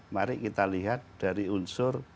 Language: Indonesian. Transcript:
mari kita lihat dari unsur